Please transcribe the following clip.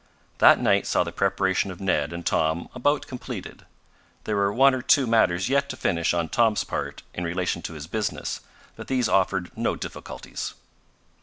That night saw the preparations of Ned and Tom about completed. There were one or two matters yet to finish on Tom's part in relation to his business, but these offered no difficulties.